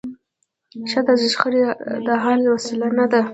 ښځه د شخړي د حل وسیله نه ده.